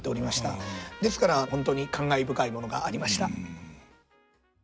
ですから本当に感慨深いものがありました。